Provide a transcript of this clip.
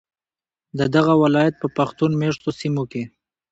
ددغه ولایت په پښتون میشتو سیمو کې